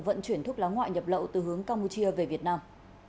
vận chuyển thuốc lá ngoại nhập lậu từ hướng campuchia về việt nam